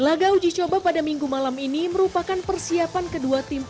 laga uji coba pada minggu malam ini merupakan persiapan kedua tim